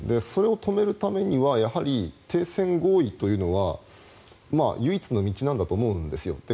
それを止めるためには停戦合意というのは唯一の道なんだと思うんですよ。